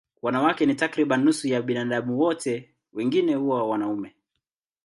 Wanawake ni takriban nusu ya binadamu wote, wengine huwa wanaume.